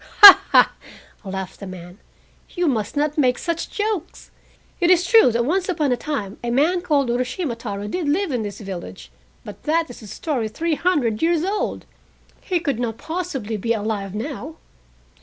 "Ha, ha!" laughed the man, "you must not make such jokes. It is true that once upon a time a man called Urashima Taro did live in this village, but that is a story three hundred years old. He could not possibly be alive now!"